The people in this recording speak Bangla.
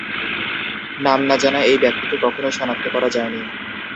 নাম না জানা এই ব্যক্তিকে কখনোই শনাক্ত করা যায়নি।